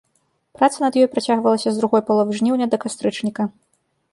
Праца над ёй працягвалася з другой паловы жніўня да кастрычніка.